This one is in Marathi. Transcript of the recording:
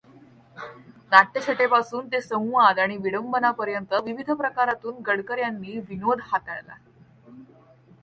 नाट्यछटेपासून ते संवाद आणि विडंबनापर्यंत विविध प्रकारांतून गडकर् यांनी विनोद हाताळला.